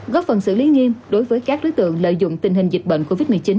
góp phần xử lý nghiêm đối với các đối tượng lợi dụng tình hình dịch bệnh covid một mươi chín